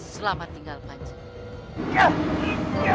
selamat tinggal panji